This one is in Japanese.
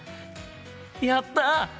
やった！